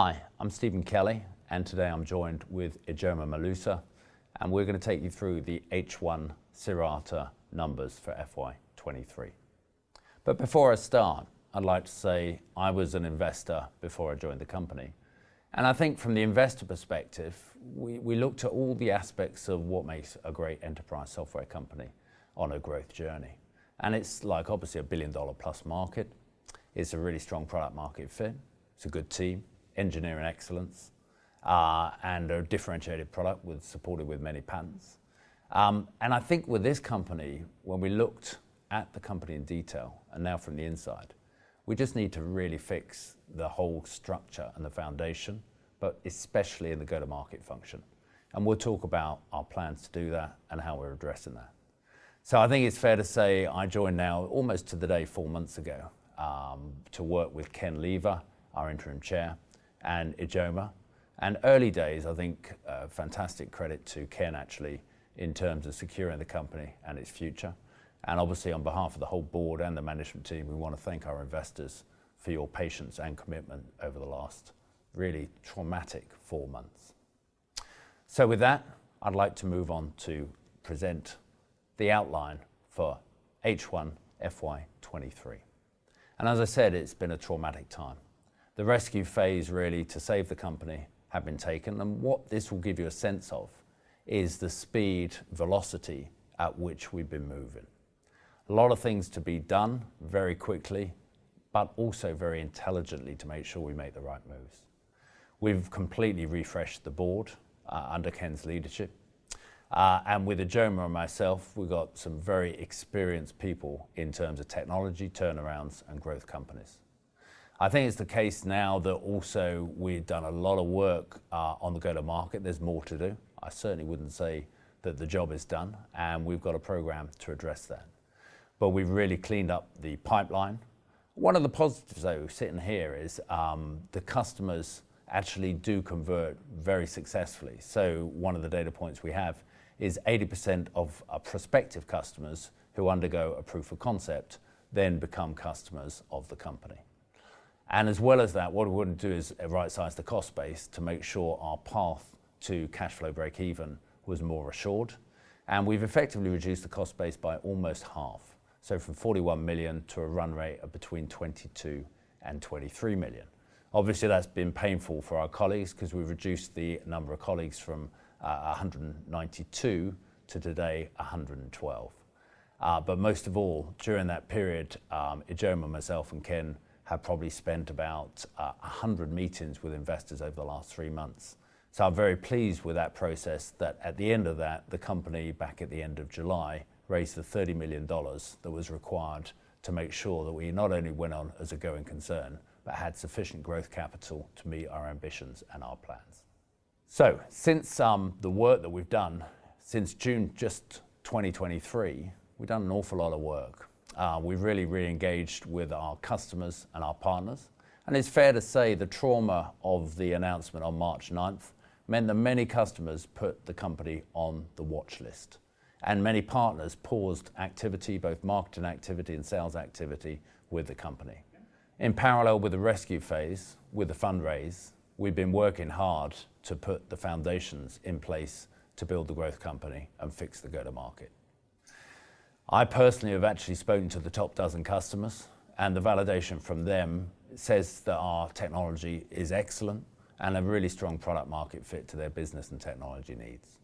Hi, I'm Stephen Kelly, and today I'm joined with Ijoma Maluza, and we're gonna take you through the H1 Cirata numbers for FY 2023. But before I start, I'd like to say I was an investor before I joined the company, and I think from the investor perspective, we looked at all the aspects of what makes a great enterprise software company on a growth journey. And it's like, obviously, a billion-dollar plus market. It's a really strong product-market fit. It's a good team, engineering excellence, and a differentiated product with supported with many patents. And I think with this company, when we looked at the company in detail, and now from the inside, we just need to really fix the whole structure and the foundation, but especially in the go-to-market function. And we'll talk about our plans to do that and how we're addressing that. So I think it's fair to say I joined now, almost to the day, four months ago, to work with Ken Lever, our Interim Chair, and Ijoma Maluza. And early days, I think, a fantastic credit to Ken, actually, in terms of securing the company and its future. And obviously, on behalf of the whole board and the management team, we wanna thank our investors for your patience and commitment over the last really traumatic four months. So with that, I'd like to move on to present the outline for H1 FY2023. And as I said, it's been a traumatic time. The rescue phase, really, to save the company have been taken, and what this will give you a sense of is the speed, velocity at which we've been moving. A lot of things to be done very quickly, but also very intelligently to make sure we make the right moves. We've completely refreshed the board under Ken's leadership, and with Ijoma and myself, we've got some very experienced people in terms of technology, turnarounds, and growth companies. I think it's the case now that also we've done a lot of work on the go-to-market. There's more to do. I certainly wouldn't say that the job is done, and we've got a program to address that. But we've really cleaned up the pipeline. One of the positives, though, sitting here is the customers actually do convert very successfully. So one of the data points we have is 80% of our prospective customers who undergo a proof of concept then become customers of the company. And as well as that, what we want to do is right-size the cost base to make sure our path to cash flow breakeven was more assured, and we've effectively reduced the cost base by almost half, so from $41 million to a run rate of between $22 million-$23 million. Obviously, that's been painful for our colleagues 'cause we've reduced the number of colleagues from 192 to today, 112. But most of all, during that period, Ijoma, myself, and Ken have probably spent about 100 meetings with investors over the last 3 months. So I'm very pleased with that process, that at the end of that, the company, back at the end of July, raised the $30 million that was required to make sure that we not only went on as a going concern, but had sufficient growth capital to meet our ambitions and our plans. So since the work that we've done since June, just 2023, we've done an awful lot of work. We've really re-engaged with our customers and our partners, and it's fair to say the trauma of the announcement on March ninth meant that many customers put the company on the watchlist, and many partners paused activity, both marketing activity and sales activity, with the company. In parallel with the rescue phase, with the fundraise, we've been working hard to put the foundations in place to build the growth company and fix the go-to-market. I personally have actually spoken to the top dozen customers, and the validation from them says that our technology is excellent and a really strong product market fit to their business and technology needs.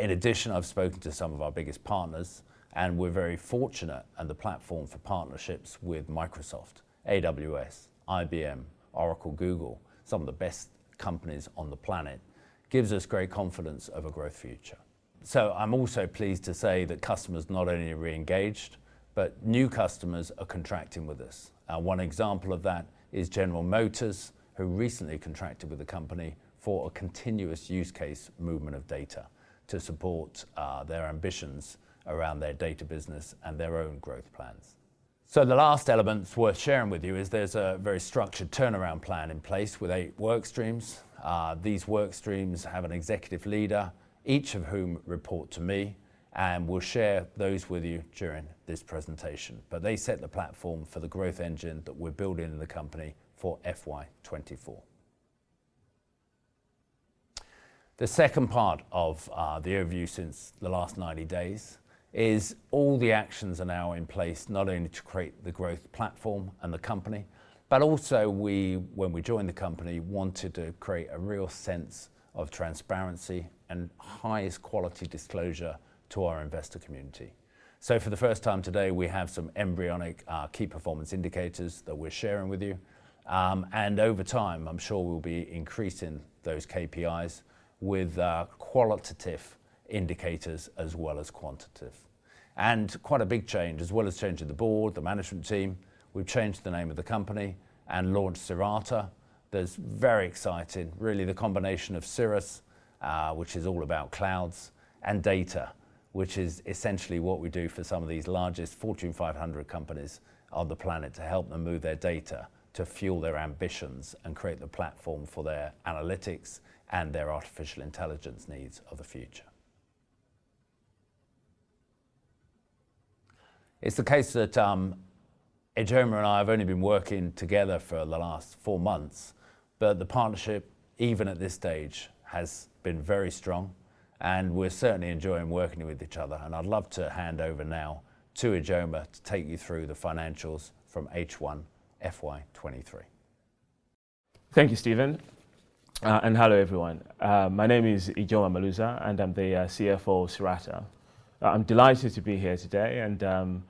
In addition, I've spoken to some of our biggest partners, and we're very fortunate, and the platform for partnerships with Microsoft, AWS, IBM, Oracle, Google, some of the best companies on the planet, gives us great confidence of a growth future. So I'm also pleased to say that customers not only re-engaged, but new customers are contracting with us. And one example of that is General Motors, who recently contracted with the company for a continuous use case movement of data to support their ambitions around their data business and their own growth plans. The last element worth sharing with you is there's a very structured turnaround plan in place with eight work streams. These work streams have an executive leader, each of whom report to me, and we'll share those with you during this presentation. They set the platform for the growth engine that we're building in the company for FY 2024. The second part of the overview since the last 90 days is all the actions are now in place, not only to create the growth platform and the company, but also we, when we joined the company, wanted to create a real sense of transparency and highest quality disclosure to our investor community. For the first time today, we have some embryonic key performance indicators that we're sharing with you. And over time, I'm sure we'll be increasing those KPIs with, qualitative indicators as well as quantitative. And quite a big change, as well as changing the board, the management team, we've changed the name of the company and launched Cirata. That's very exciting, really, the combination of Cirrus, which is all about clouds, and data, which is essentially what we do for some of these largest Fortune 500 companies on the planet, to help them move their data, to fuel their ambitions, and create the platform for their analytics and their artificial intelligence needs of the future.... It's the case that, Ijoma and I have only been working together for the last four months, but the partnership, even at this stage, has been very strong, and we're certainly enjoying working with each other. I'd love to hand over now to Ijoma to take you through the financials from H1 FY2023. Thank you, Stephen, and hello, everyone. My name is Ijoma Maluza, and I'm the CFO of Cirata. I'm delighted to be here today, and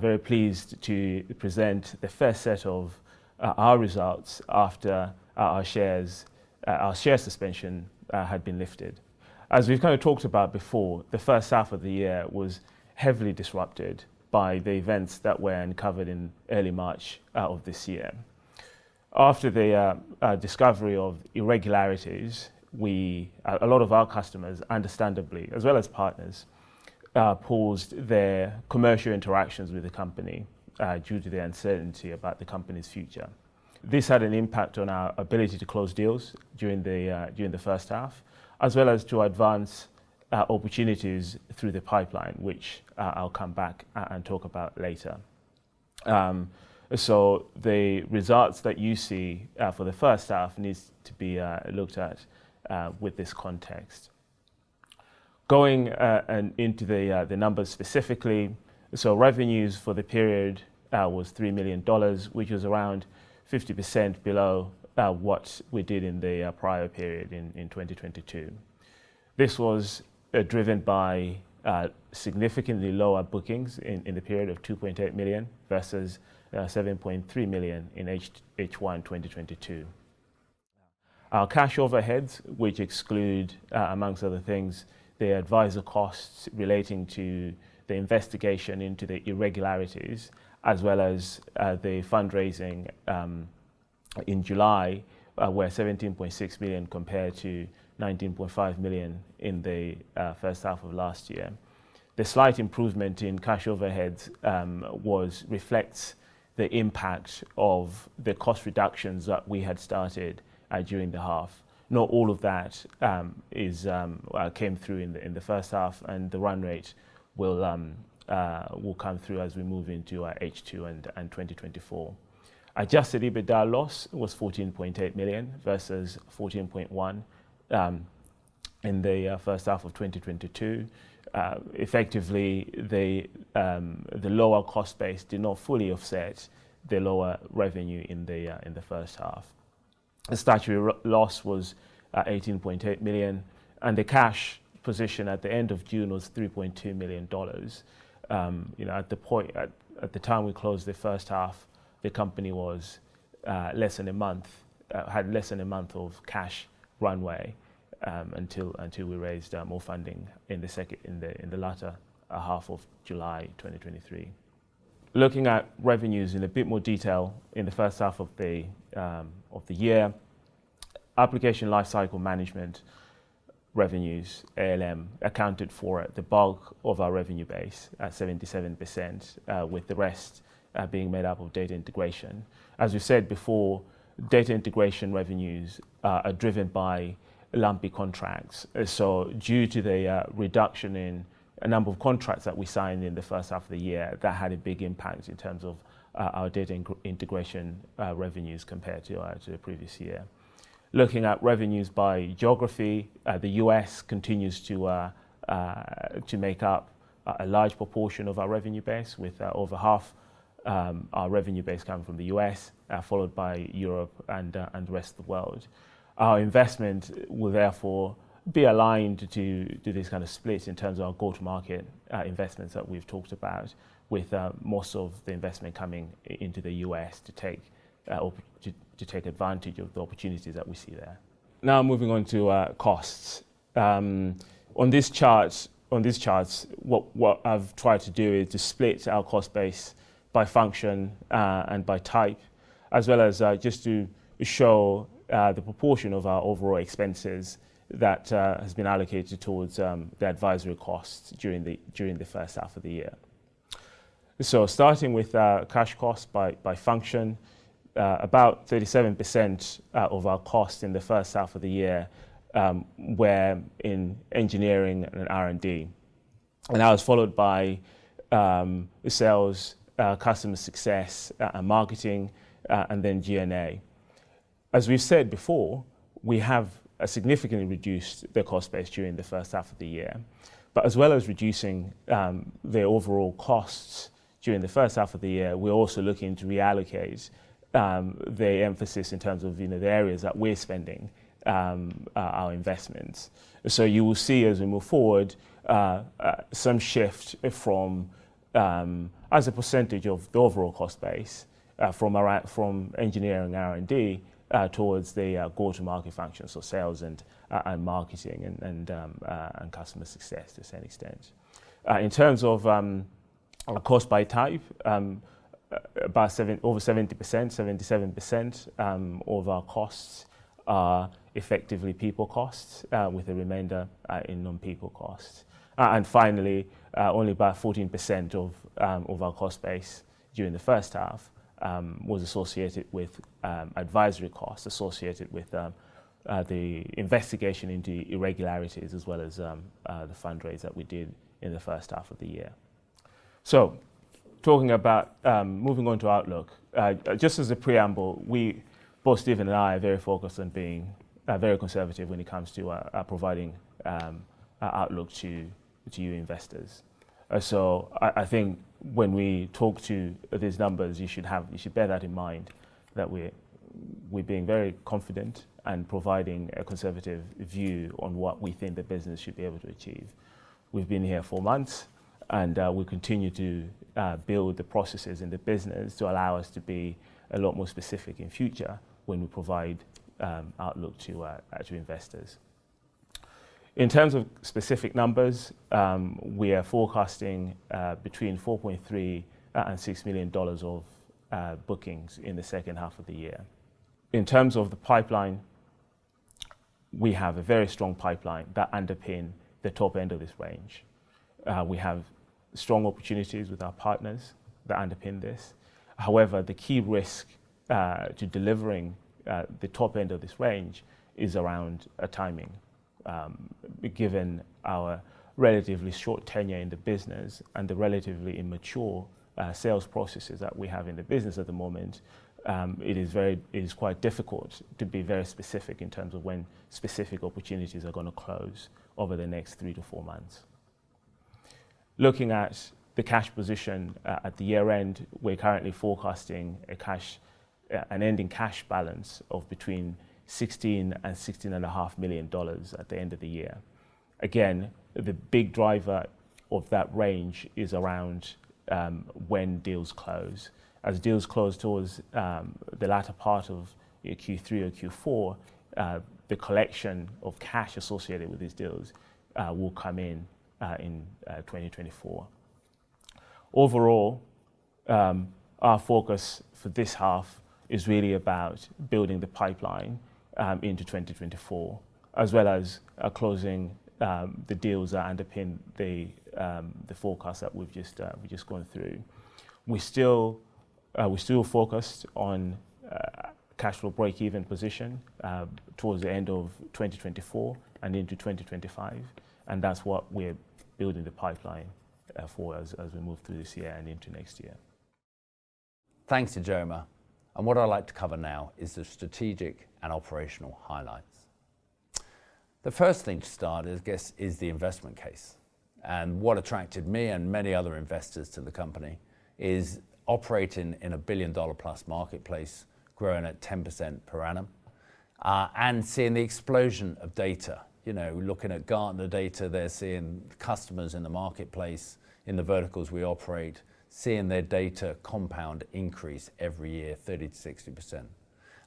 very pleased to present the first set of our results after our shares, our share suspension had been lifted. As we've kind of talked about before, the first half of the year was heavily disrupted by the events that were uncovered in early March of this year. After the discovery of irregularities, a lot of our customers, understandably, as well as partners, paused their commercial interactions with the company due to the uncertainty about the company's future. This had an impact on our ability to close deals during the during the first half, as well as to advance opportunities through the pipeline, which, I'll come back and talk about later. So the results that you see for the first half needs to be looked at with this context. Going and into the numbers specifically, so revenues for the period was $3 million, which was around 50% below what we did in the prior period in 2022. This was driven by significantly lower bookings in the period of $2.8 million versus $7.3 million in H1 2022. Our cash overheads, which exclude, among other things, the advisor costs relating to the investigation into the irregularities, as well as, the fundraising, in July, were $17.6 million compared to $19.5 million in the first half of last year. The slight improvement in cash overheads reflects the impact of the cost reductions that we had started during the half. Not all of that came through in the first half, and the run rate will come through as we move into our H2 and 2024. Adjusted EBITDA loss was $14.8 million versus $14.1 in the first half of 2022. Effectively, the lower cost base did not fully offset the lower revenue in the first half. The statutory loss was $18.8 million, and the cash position at the end of June was $3.2 million. At the time we closed the first half, the company had less than a month of cash runway until we raised more funding in the latter half of July 2023. Looking at revenues in a bit more detail, in the first half of the year, application lifecycle management revenues, ALM, accounted for the bulk of our revenue base at 77%, with the rest being made up of data integration. As we said before, data integration revenues are driven by lumpy contracts. So due to the reduction in a number of contracts that we signed in the first half of the year, that had a big impact in terms of our data integration revenues compared to the previous year. Looking at revenues by geography, the U.S. continues to make up a large proportion of our revenue base, with over half our revenue base coming from the U.S., followed by Europe and the rest of the world. Our investment will therefore be aligned to this kind of split in terms of our go-to-market investments that we've talked about, with most of the investment coming into the U.S. to take advantage of the opportunities that we see there. Now, moving on to costs. On this chart, on this chart, what, what I've tried to do is to split our cost base by function, and by type, as well as, just to show, the proportion of our overall expenses that, has been allocated towards, the advisory costs during the, during the first half of the year. So starting with our cash costs by, by function, about 37% of our costs in the first half of the year, were in engineering and R&D. And that was followed by, sales, customer success, and marketing, and then GNA. As we've said before, we have, significantly reduced the cost base during the first half of the year. But as well as reducing the overall costs during the first half of the year, we're also looking to reallocate the emphasis in terms of the areas that we're spending our investments. So you will see, as we move forward, some shift from as a percentage of the overall cost base from our- from engineering and R&D towards the go-to-market functions, so sales and and marketing and and and customer success to some extent. In terms of cost by type, about over 70%, 77% of our costs are effectively people costs with the remainder in non-people costs. And finally, only about 14% of our cost base during the first half was associated with the investigation into irregularities, as well as the fundraise that we did in the first half of the year. So talking about moving on to outlook. Just as a preamble, we, both Stephen and I, are very focused on being very conservative when it comes to our providing our outlook to you investors. So I think when we talk to these numbers, you should bear that in mind, that we're being very confident and providing a conservative view on what we think the business should be able to achieve. We've been here four months, and we continue to build the processes in the business to allow us to be a lot more specific in future when we provide outlook to to investors. In terms of specific numbers, we are forecasting between $4.3 million and $6 million of bookings in the second half of the year. In terms of the pipeline, we have a very strong pipeline that underpin the top end of this range. We have strong opportunities with our partners that underpin this. However, the key risk to delivering the top end of this range is around timing. Given our relatively short tenure in the business and the relatively immature sales processes that we have in the business at the moment, it is quite difficult to be very specific in terms of when specific opportunities are gonna close over the next three to four months. Looking at the cash position at the year-end, we're currently forecasting an ending cash balance of between $16 million and $16.5 million at the end of the year. Again, the big driver of that range is around when deals close. As deals close towards the latter part of your Q3 or Q4, the collection of cash associated with these deals will come in in 2024. Overall, our focus for this half is really about building the pipeline into 2024, as well as closing the deals that underpin the forecast that we've just gone through. We're still focused on cash flow breakeven position towards the end of 2024 and into 2025, and that's what we're building the pipeline for as we move through this year and into next year. Thanks, Ijoma. What I'd like to cover now is the strategic and operational highlights. The first thing to start is the investment case, and what attracted me and many other investors to the company is operating in a billion-dollar-plus marketplace, growing at 10% per annum, and seeing the explosion of data. Looking at Gartner data, they're seeing customers in the marketplace, in the verticals we operate, seeing their data compound increase every year, 30%-60%.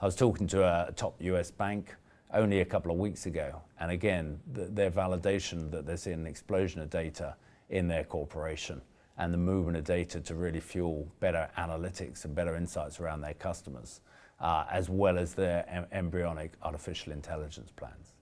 I was talking to a top U.S. bank only a couple of weeks ago, and again, their validation that they're seeing an explosion of data in their corporation and the movement of data to really fuel better analytics and better insights around their customers, as well as their embryonic artificial intelligence plans.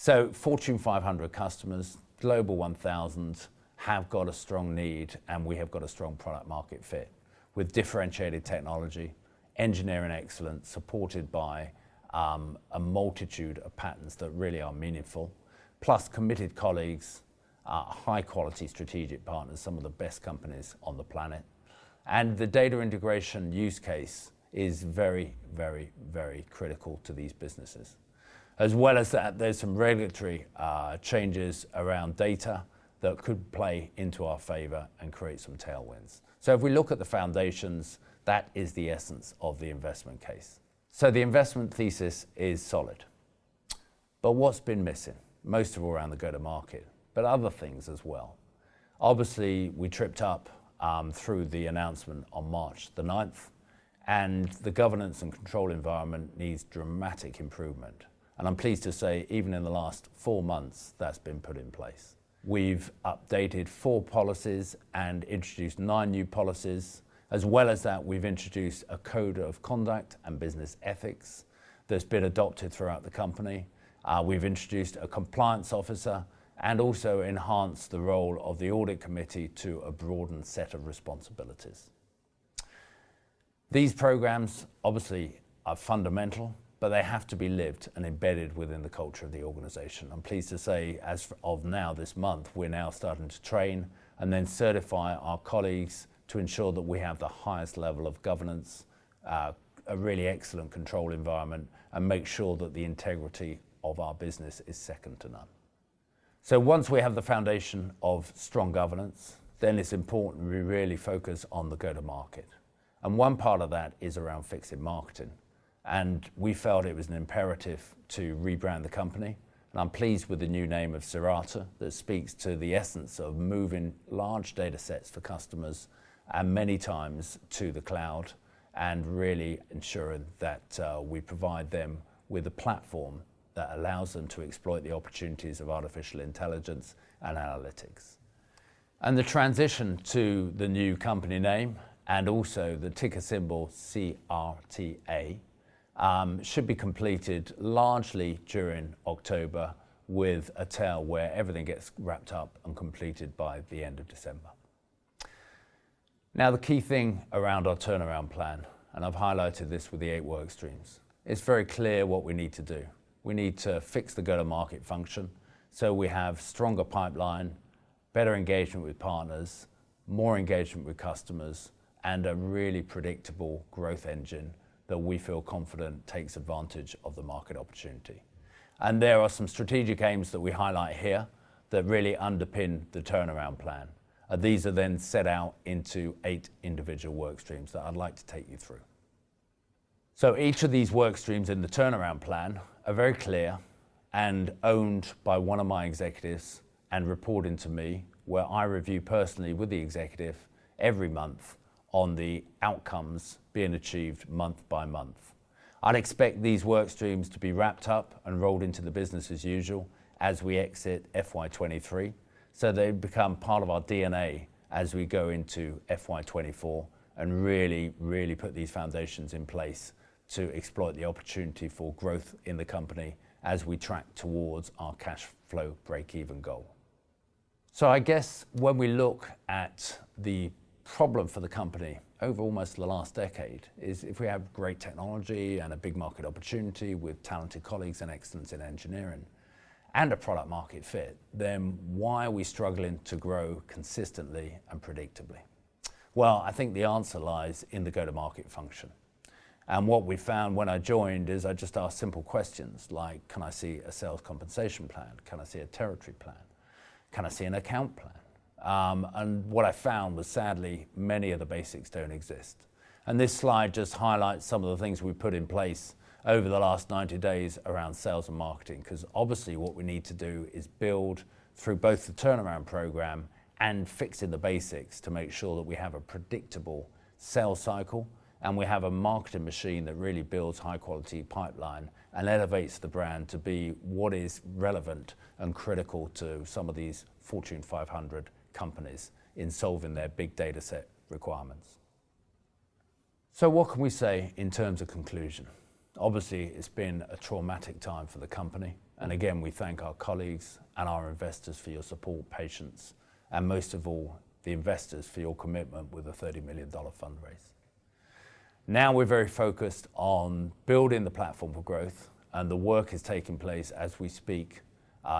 So Fortune 500 customers, Global 1,000, have got a strong need, and we have got a strong product market fit with differentiated technology, engineering excellence, supported by a multitude of patents that really are meaningful, plus committed colleagues, high-quality strategic partners, some of the best companies on the planet. The data integration use case is very, very, very critical to these businesses. As well as that, there's some regulatory changes around data that could play into our favor and create some tailwinds. So if we look at the foundations, that is the essence of the investment case. The investment thesis is solid. But what's been missing? Most of all, around the go-to-market, but other things as well. Obviously, we tripped up through the announcement on March 9, and the governance and control environment needs dramatic improvement. I'm pleased to say, even in the last four months, that's been put in place. We've updated four policies and introduced nine new policies. As well as that, we've introduced a code of conduct and business ethics that's been adopted throughout the company. We've introduced a compliance officer and also enhanced the role of the audit committee to a broadened set of responsibilities. These programs obviously are fundamental, but they have to be lived and embedded within the culture of the organization. I'm pleased to say, as of now, this month, we're now starting to train and then certify our colleagues to ensure that we have the highest level of governance, a really excellent control environment, and make sure that the integrity of our business is second to none. So once we have the foundation of strong governance, then it's important we really focus on the go-to-market, and one part of that is around fixing marketing, and we felt it was an imperative to rebrand the company. And I'm pleased with the new name of Cirata. That speaks to the essence of moving large data sets for customers and many times to the cloud, and really ensuring that, we provide them with a platform that allows them to exploit the opportunities of artificial intelligence and analytics. And the transition to the new company name, and also the ticker symbol, CRTA, should be completed largely during October, with a tail where everything gets wrapped up and completed by the end of December. Now, the key thing around our turnaround plan, and I've highlighted this with the eight work streams, it's very clear what we need to do. We need to fix the go-to-market function, so we have stronger pipeline, better engagement with partners, more engagement with customers, and a really predictable growth engine that we feel confident takes advantage of the market opportunity. There are some strategic aims that we highlight here that really underpin the turnaround plan, and these are then set out into eight individual work streams that I'd like to take you through. Each of these work streams in the turnaround plan are very clear and owned by one of my executives and reporting to me, where I review personally with the executive every month on the outcomes being achieved month by month. I'd expect these work streams to be wrapped up and rolled into the business as usual as we exit FY 2023, so they become part of our DNA as we go into FY 2024 and really, really put these foundations in place to exploit the opportunity for growth in the company as we track towards our Cash Flow Breakeven goal. So I guess when we look at the problem for the company over almost the last decade, is if we have great technology and a big market opportunity with talented colleagues and excellence in engineering and a product market fit, then why are we struggling to grow consistently and predictably? Well, I think the answer lies in the go-to-market function. What we found when I joined is I just asked simple questions like: Can I see a sales compensation plan? Can I see a territory plan? Can I see an account plan? What I found was, sadly, many of the basics don't exist. This slide just highlights some of the things we've put in place over the last 90 days around sales and marketing, 'cause obviously, what we need to do is build through both the turnaround program and fixing the basics to make sure that we have a predictable sales cycle, and we have a marketing machine that really builds high-quality pipeline and elevates the brand to be what is relevant and critical to some of these Fortune 500 companies in solving their big data set requirements. So what can we say in terms of conclusion? Obviously, it's been a traumatic time for the company, and again, we thank our colleagues and our investors for your support, patience, and most of all, the investors for your commitment with the $30 million fundraise. Now we're very focused on building the platform for growth, and the work is taking place as we speak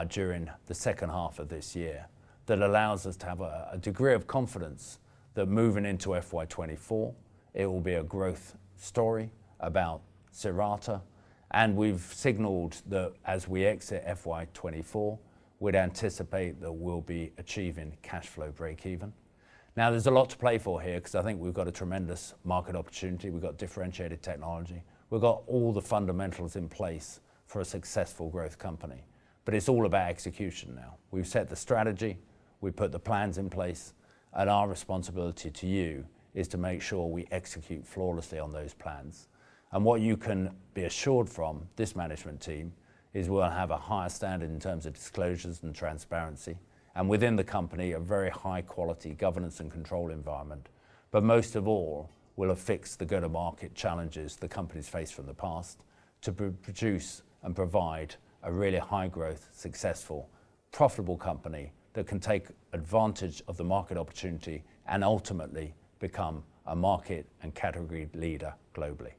during the second half of this year. That allows us to have a degree of confidence that moving into FY 2024, it will be a growth story about Cirata, and we've signaled that as we exit FY 2024, we'd anticipate that we'll be achieving cash flow breakeven. Now, there's a lot to play for here 'cause I think we've got a tremendous market opportunity, we've got differentiated technology, we've got all the fundamentals in place for a successful growth company, but it's all about execution now. We've set the strategy, we've put the plans in place, and our responsibility to you is to make sure we execute flawlessly on those plans. And what you can be assured from this management team is we'll have a higher standard in terms of disclosures and transparency, and within the company, a very high-quality governance and control environment. But most of all, we'll have fixed the go-to-market challenges the company's faced from the past to produce and provide a really high-growth, successful, profitable company that can take advantage of the market opportunity and ultimately become a market and category leader globally.